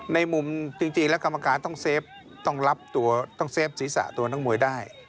ในมุมจริงแล้วกรรมการต้องเซฟต้องรับตัวต้องเซฟศีรษะตัวนักมวยได้